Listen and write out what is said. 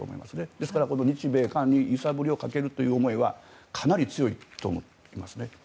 ですから、日米間に揺さぶりをかけるという思いはかなり強いと思います。